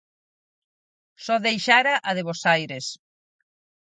Só deixara a de Bos Aires.